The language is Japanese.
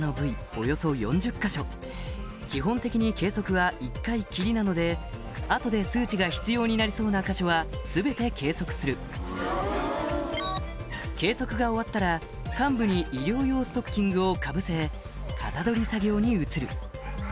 およそ４０か所基本的に計測は一回きりなので後で数値が必要になりそうな箇所は全て計測する計測が終わったら患部に医療用ストッキングをかぶせ型取り作業に移る